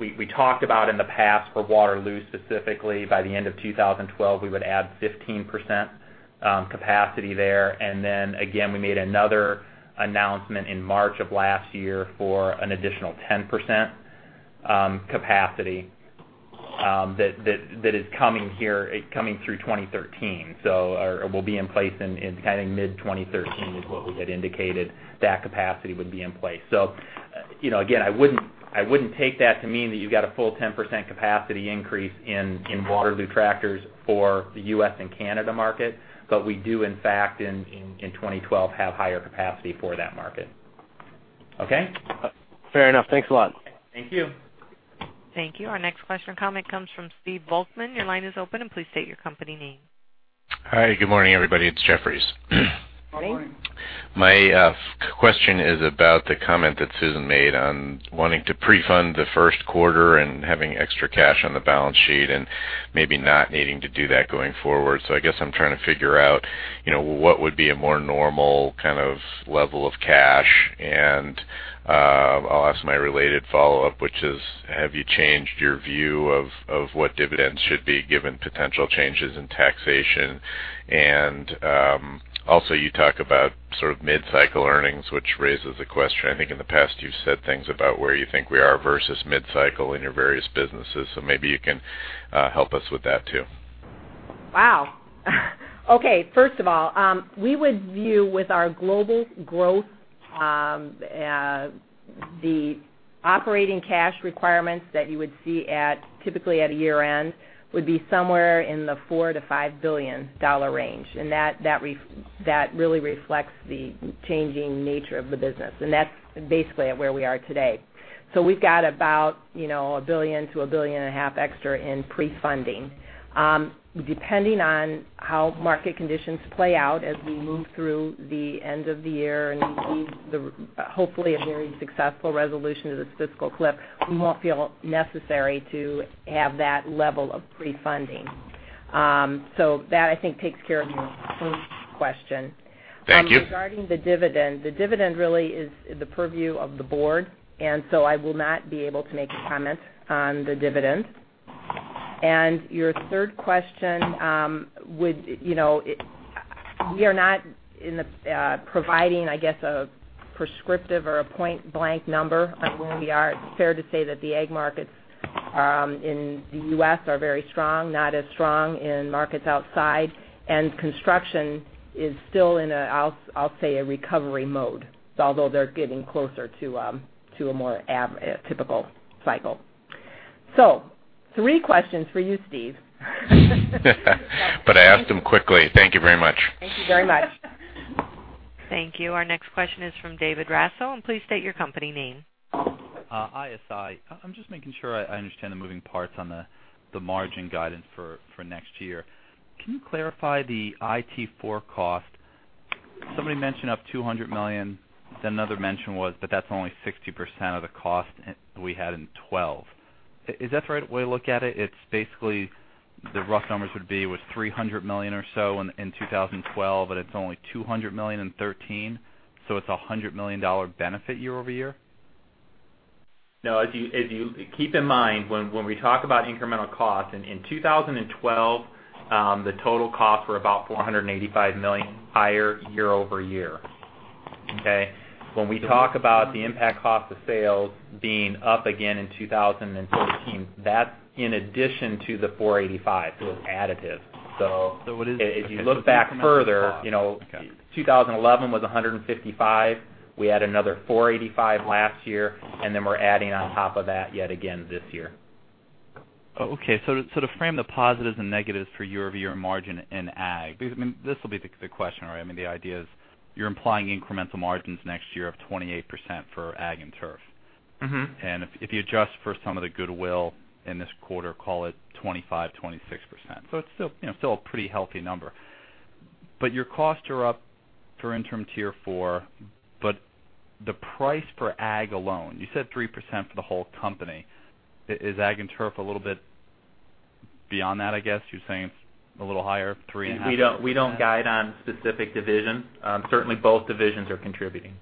We talked about in the past for Waterloo specifically, by the end of 2012, we would add 15% capacity there. Again, we made another announcement in March of last year for an additional 10% capacity that is coming through 2013. It will be in place in mid-2013 is what we had indicated that capacity would be in place. Again, I wouldn't take that to mean that you got a full 10% capacity increase in Waterloo tractors for the U.S. and Canada market. we do, in fact, in 2012, have higher capacity for that market. Okay? Fair enough. Thanks a lot. Thank you. Thank you. Our next question and comment comes from Stephen Volkmann. Your line is open, and please state your company name. Hi. Good morning, everybody. It's Jefferies. Good morning. My question is about the comment that Susan made on wanting to pre-fund the first quarter and having extra cash on the balance sheet, maybe not needing to do that going forward. I guess I'm trying to figure out what would be a more normal kind of level of cash, and I'll ask my related follow-up, which is, have you changed your view of what dividends should be given potential changes in taxation? Also, you talk about sort of mid-cycle earnings, which raises a question. I think in the past you've said things about where you think we are versus mid-cycle in your various businesses, so maybe you can help us with that too. Wow. Okay. First of all, we would view with our global growth, the operating cash requirements that you would see typically at a year-end, would be somewhere in the $4 billion-$5 billion range. That really reflects the changing nature of the business. That's basically where we are today. We've got about $1 billion-$1.5 billion extra in pre-funding. Depending on how market conditions play out as we move through the end of the year and we see hopefully a very successful resolution to this fiscal cliff, we won't feel necessary to have that level of pre-funding. That, I think, takes care of your first question. Thank you. Regarding the dividend, the dividend really is the purview of the board. I will not be able to make a comment on the dividend. Your third question, we are not providing, I guess, a prescriptive or a point-blank number on where we are. It's fair to say that the ag markets in the U.S. are very strong, not as strong in markets outside, and construction is still in a, I'll say, a recovery mode. They're getting closer to a more typical cycle. Three questions for you, Steve. I asked them quickly. Thank you very much. Thank you very much. Thank you. Our next question is from David Raso, please state your company name. ISI. I'm just making sure I understand the moving parts on the margin guidance for next year. Can you clarify the IT4 cost? Somebody mentioned up $200 million, then another mention was, but that's only 60% of the cost we had in 2012. Is that the right way to look at it? It's basically the rough numbers would be was $300 million or so in 2012, but it's only $200 million in 2013. It's $100 million benefit year-over-year? No, keep in mind when we talk about incremental cost, in 2012, the total costs were about $485 million higher year-over-year. Okay? When we talk about the impact cost of sales being up again in 2014, that's in addition to the $485 million. It's additive. What is- If you look back further- Okay. 2011 was 155. We had another 485 last year, and then we're adding on top of that yet again this year. Oh, okay. To frame the positives and negatives for year-over-year margin in Ag, because this will be the question, right? I mean, the idea is you're implying incremental margins next year of 28% for Ag and Turf. If you adjust for some of the goodwill in this quarter, call it 25%, 26%. It's still a pretty healthy number. Your costs are up for Interim Tier 4, but the price for Ag alone, you said 3% for the whole company. Is Ag and Turf Beyond that, I guess you're saying it's a little higher, 3.5%? We don't guide on specific divisions. Certainly, both divisions are contributing.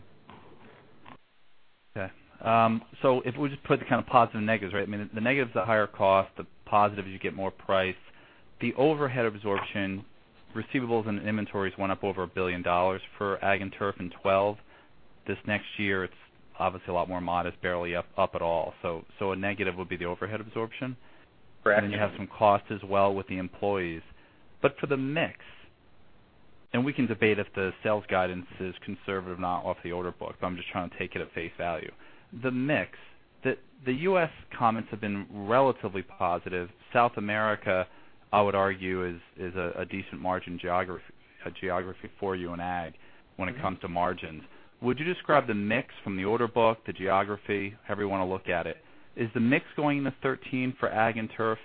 Okay. If we just put the kind of positive and negatives, right? I mean, the negative is the higher cost. The positive is you get more price. The overhead absorption, receivables, and inventories went up over $1 billion for Ag and Turf in 2012. This next year, it's obviously a lot more modest, barely up at all. A negative would be the overhead absorption. Correct. You have some cost as well with the employees. For the mix, and we can debate if the sales guidance is conservative or not off the order book, I'm just trying to take it at face value. The mix, the U.S. comments have been relatively positive. South America, I would argue, is a decent margin geography for you in Ag when it comes to margins. Would you describe the mix from the order book, the geography, however you want to look at it? Is the mix going into 2013 for Ag and Turf,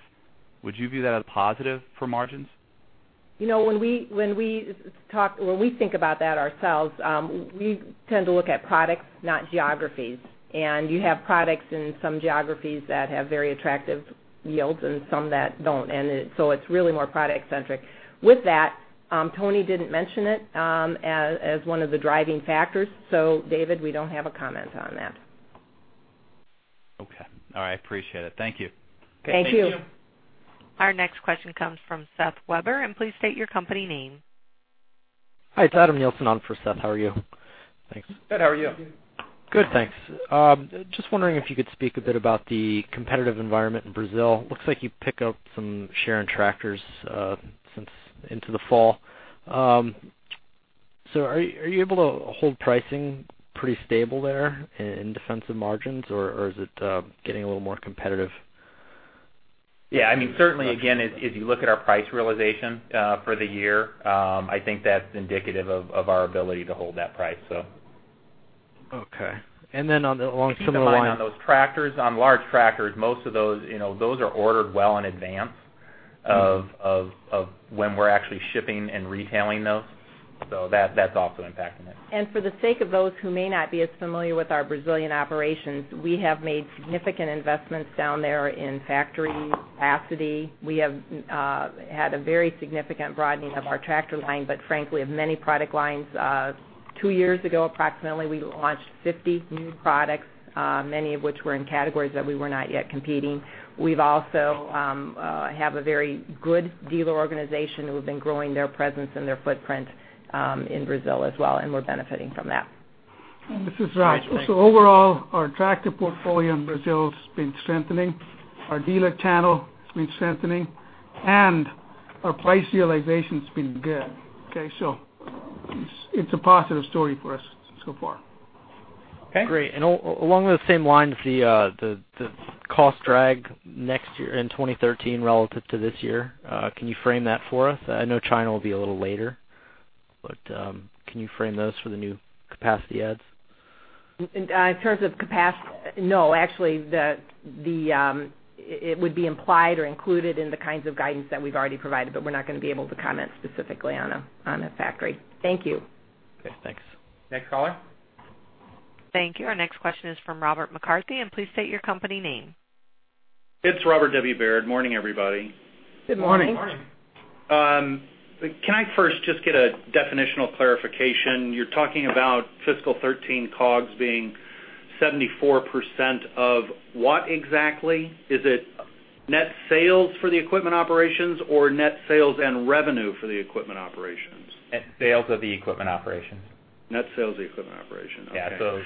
would you view that as positive for margins? When we think about that ourselves, we tend to look at products, not geographies. You have products in some geographies that have very attractive yields and some that don't. It's really more product-centric. With that, Tony didn't mention it as one of the driving factors. David, we don't have a comment on that. Okay. All right, appreciate it. Thank you. Thank you. Thank you. Our next question comes from Seth Weber. Please state your company name. Hi, it's Adam Nielsen on for Seth. How are you? Thanks. Adam, how are you? Good, thanks. Just wondering if you could speak a bit about the competitive environment in Brazil. Looks like you picked up some share in tractors since into the fall. Are you able to hold pricing pretty stable there in defensive margins, or is it getting a little more competitive? Yeah, certainly again, as you look at our price realization for the year, I think that's indicative of our ability to hold that price. Okay. Along similar lines. Keep in mind on those tractors, on large tractors, most of those are ordered well in advance of when we're actually shipping and retailing those. That's also impacting it. For the sake of those who may not be as familiar with our Brazilian operations, we have made significant investments down there in factory capacity. We have had a very significant broadening of our tractor line, but frankly, of many product lines. Two years ago, approximately, we launched 50 new products, many of which were in categories that we were not yet competing. We've also have a very good dealer organization who have been growing their presence and their footprint in Brazil as well, and we're benefiting from that. This is Raj. Overall, our tractor portfolio in Brazil has been strengthening. Our dealer channel has been strengthening, and our price realization's been good, okay? It's a positive story for us so far. Okay, great. Along those same lines, the cost drag next year in 2013 relative to this year, can you frame that for us? I know China will be a little later, but can you frame those for the new capacity adds? In terms of capacity, no. Actually, it would be implied or included in the kinds of guidance that we've already provided, but we're not going to be able to comment specifically on a factory. Thank you. Okay, thanks. Next caller. Thank you. Our next question is from Robert McCarthy, and please state your company name. It's Robert W. Baird. Morning, everybody. Good morning. Morning. Can I first just get a definitional clarification? You're talking about fiscal 13 COGS being 74% of what exactly? Is it net sales for the equipment operations or net sales and revenue for the equipment operations? Net sales of the equipment operations. Net sales of the equipment operation. Okay. Yeah.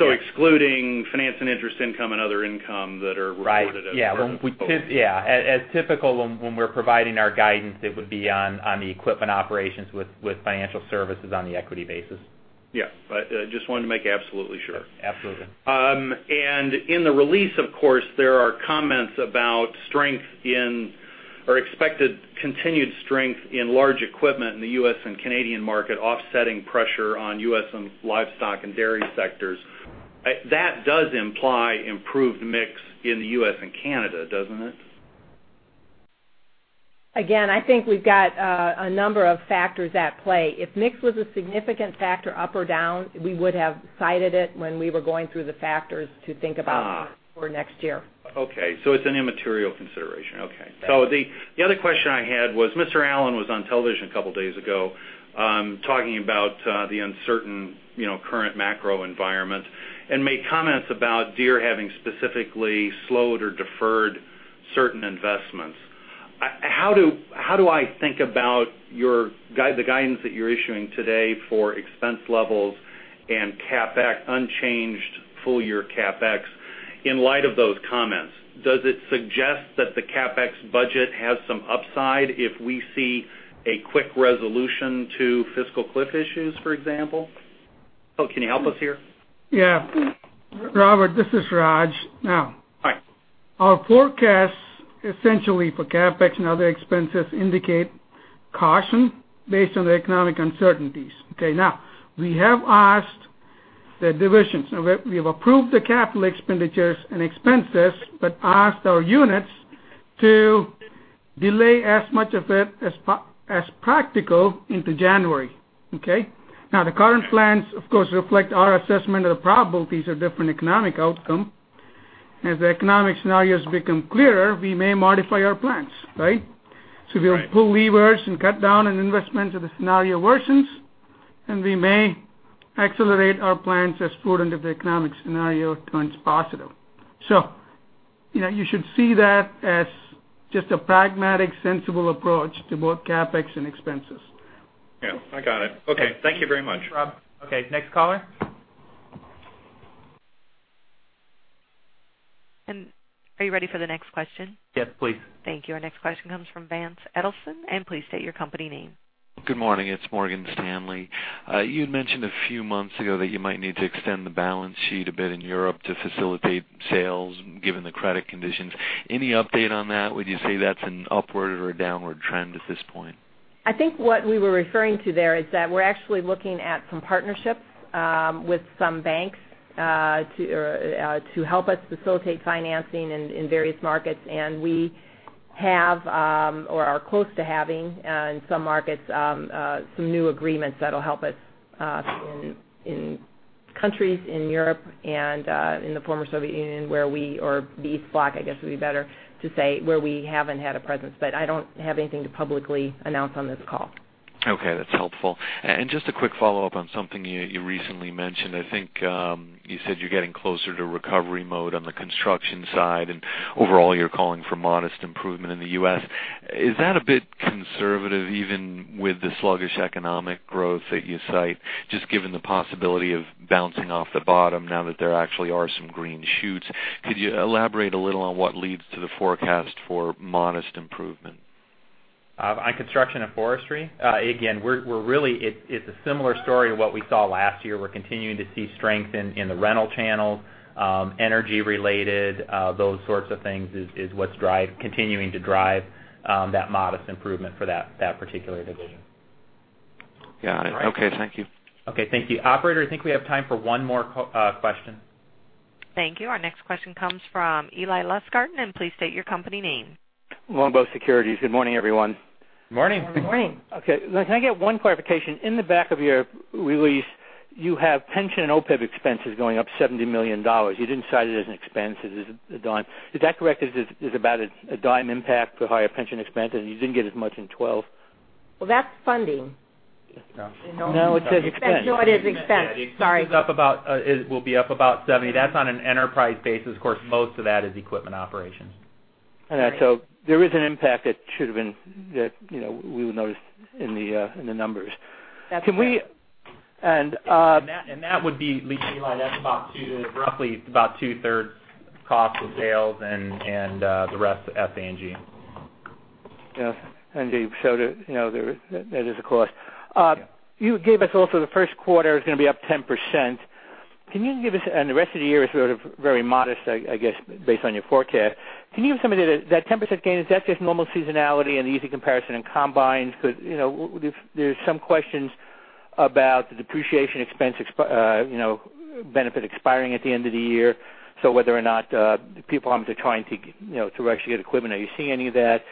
Excluding finance and interest income and other income that are reported as- Right. Yeah. As typical, when we're providing our guidance, it would be on the equipment operations with financial services on the equity basis. Yeah. I just wanted to make absolutely sure. Absolutely. In the release, of course, there are comments about strength in or expected continued strength in large equipment in the U.S. and Canadian market offsetting pressure on U.S. livestock and dairy sectors. That does imply improved mix in the U.S. and Canada, doesn't it? Again, I think we've got a number of factors at play. If mix was a significant factor up or down, we would have cited it when we were going through the factors to think about for next year. Okay. It's an immaterial consideration. Okay. The other question I had was, Mr. Allen was on television a couple of days ago, talking about the uncertain current macro environment and made comments about Deere having specifically slowed or deferred certain investments. How do I think about the guidance that you're issuing today for expense levels and CapEx unchanged full-year CapEx in light of those comments? Does it suggest that the CapEx budget has some upside if we see a quick resolution to fiscal cliff issues, for example? Can you help us here? Robert, this is Raj. Hi our forecasts essentially for CapEx and other expenses indicate caution based on the economic uncertainties. Okay. Now, we have asked the divisions. We have approved the capital expenditures and expenses but asked our units to Delay as much of it as practical into January. Okay. The current plans, of course, reflect our assessment of the probabilities of different economic outcome. As the economic scenarios become clearer, we may modify our plans. Right. Right. We'll pull levers and cut down on investments if the scenario worsens, and we may accelerate our plans as prudent if the economic scenario turns positive. You should see that as just a pragmatic, sensible approach to both CapEx and expenses. Yeah, I got it. Okay. Thank you very much. Thank you, Rob. Okay, next caller. Are you ready for the next question? Yes, please. Thank you. Our next question comes from Vance Edelson, please state your company name. Good morning, it's Morgan Stanley. You had mentioned a few months ago that you might need to extend the balance sheet a bit in Europe to facilitate sales, given the credit conditions. Any update on that? Would you say that's an upward or a downward trend at this point? I think what we were referring to there is that we're actually looking at some partnerships with some banks to help us facilitate financing in various markets. We have or are close to having in some markets, some new agreements that'll help us in countries in Europe and in the former Soviet Union where we or the Eastern Bloc, I guess, would be better to say, where we haven't had a presence. I don't have anything to publicly announce on this call. Okay. That's helpful. Just a quick follow-up on something you recently mentioned. I think you said you're getting closer to recovery mode on the construction side, overall, you're calling for modest improvement in the U.S. Is that a bit conservative, even with the sluggish economic growth that you cite, just given the possibility of bouncing off the bottom now that there actually are some green shoots? Could you elaborate a little on what leads to the forecast for modest improvement? On Construction & Forestry? It's a similar story to what we saw last year. We're continuing to see strength in the rental channels, energy-related, those sorts of things is what's continuing to drive that modest improvement for that particular division. Got it. Okay. Thank you. Okay. Thank you. Operator, I think we have time for one more question. Thank you. Our next question comes from Eli Lustgarten, please state your company name. Longbow Research. Good morning, everyone. Good morning. Good morning. Okay. Can I get one clarification? In the back of your release, you have pension and OPEB expenses going up $70 million. You didn't cite it as an expense. Is that correct? Is it about a $0.10 impact for higher pension expense? You didn't get as much in 2012. Well, that's funding. No. No, it says expense. No, it is expense. Sorry. The expense will be up about $70. That's on an enterprise basis. Of course, most of that is equipment operations. There is an impact that we will notice in the numbers. That's correct. Eli, that's roughly about two-thirds cost of sales and the rest, SA&G. Yes. There is a cost. You gave us also the first quarter is going to be up 10%. The rest of the year is sort of very modest, I guess, based on your forecast. Can you give us some idea, that 10% gain, is that just normal seasonality and the easy comparison in Combines? Because there's some questions about the depreciation expense benefit expiring at the end of the year. So whether or not people are trying to actually get equipment. Are you seeing any of that?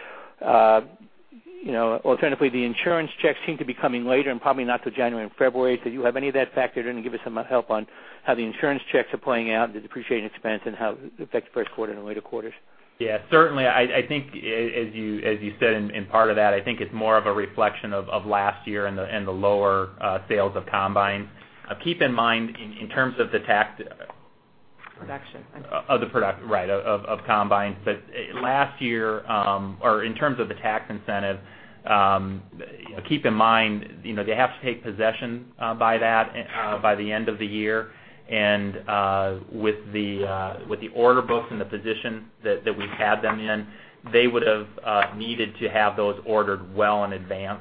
Alternatively, the insurance checks seem to be coming later and probably not till January and February. Do you have any of that factored in to give us some help on how the insurance checks are playing out and the depreciation expense and how it affects first quarter and later quarters? Yeah, certainly. I think as you said in part of that, I think it's more of a reflection of last year and the lower sales of Combines. Keep in mind, in terms of the tax- Production. Of the production, right, of Combines. In terms of the tax incentive, keep in mind, they have to take possession by the end of the year. With the order books and the position that we've had them in, they would've needed to have those ordered well in advance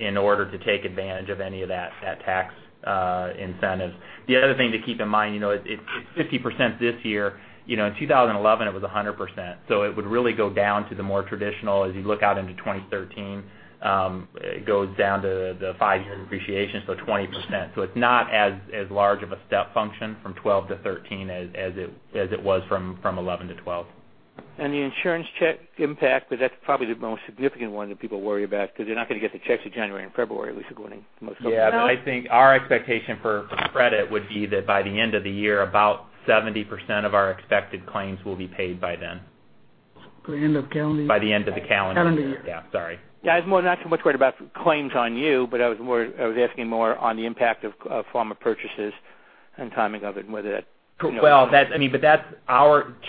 in order to take advantage of any of that tax incentive. The other thing to keep in mind, it's 50% this year. In 2011, it was 100%. It would really go down to the more traditional, as you look out into 2013, it goes down to the five-year depreciation, so 20%. It's not as large of a step function from '12 to '13 as it was from '11 to '12. The insurance check impact, that's probably the most significant one that people worry about because they're not going to get the checks till January and February, at least according to most folks. Yeah. I think our expectation for credit would be that by the end of the year, about 70% of our expected claims will be paid by then. By end of calendar year. By the end of the calendar year. Calendar year. Yeah. Sorry. Yeah. I was not so much worried about claims on you, but I was asking more on the impact of former purchases and timing of it. Well,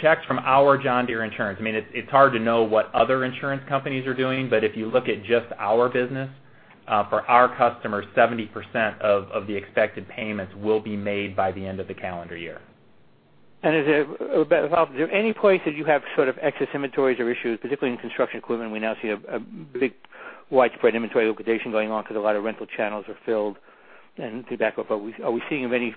checks from our John Deere Insurance. It's hard to know what other insurance companies are doing. If you look at just our business, for our customers, 70% of the expected payments will be made by the end of the calendar year. Is there any place that you have sort of excess inventories or issues, particularly in construction equipment, we now see a big widespread inventory liquidation going on because a lot of rental channels are filled and to back up. Are we seeing any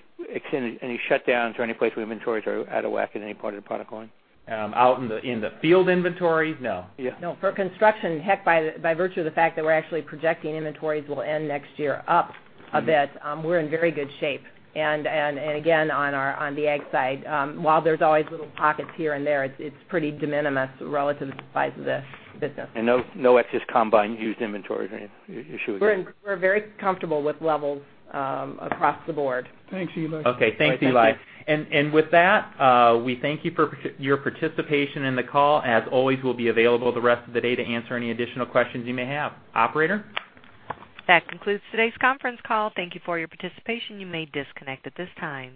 shutdowns or any place where inventories are out of whack in any part of the product line? Out in the field inventories? No. No. For construction, heck, by virtue of the fact that we're actually projecting inventories will end next year up a bit, we're in very good shape. Again, on the ag side, while there's always little pockets here and there, it's pretty de minimis relative to the size of the business. No excess combine used inventories or any issues there? We're very comfortable with levels across the board. Thanks, Eli. Okay. Thanks, Eli. With that, we thank you for your participation in the call. As always, we'll be available the rest of the day to answer any additional questions you may have. Operator? That concludes today's conference call. Thank you for your participation. You may disconnect at this time.